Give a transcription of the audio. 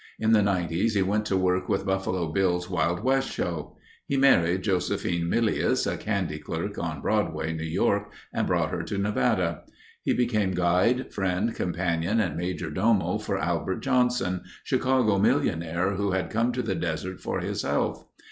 In the Nineties he went to work with Buffalo Bill's Wild West Show. He married Josephine Millius, a candy clerk on Broadway, New York, and brought her to Nevada. He became guide, friend, companion, and major domo for Albert Johnson—Chicago millionaire who had come to the desert for his health.